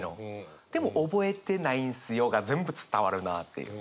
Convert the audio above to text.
でも覚えてないんすよが全部伝わるなっていう。